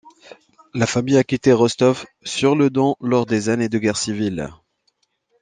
La famille a quitté Rostov sur le Don lors des années de guerre civile.